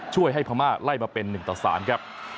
ช่วยให้พม่าไล่มาเป็น๑ต่อ๓ครับ